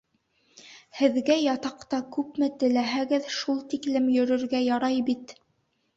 Һеҙгә ятаҡта күпме теләһәгеҙ, шул тиклем йөрөргә ярай бит.